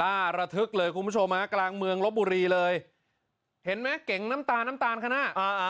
ล่าระทึกเลยคุณผู้ชมฮะกลางเมืองลบบุรีเลยเห็นไหมเก๋งน้ำตาลน้ำตาลคณะอ่ามา